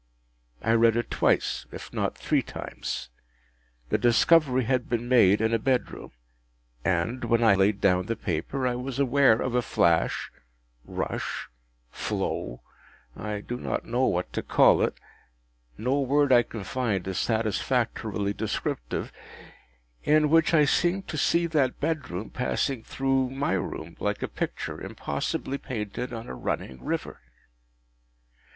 I read it twice, if not three times. The discovery had been made in a bedroom, and, when I laid down the paper, I was aware of a flash—rush—flow—I do not know what to call it,—no word I can find is satisfactorily descriptive,—in which I seemed to see that bedroom passing through my room, like a picture impossibly painted on a running river.